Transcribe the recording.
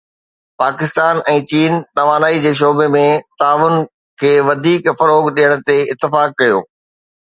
پاڪستان ۽ چين توانائي جي شعبي ۾ تعاون کي وڌيڪ فروغ ڏيڻ تي اتفاق ڪيو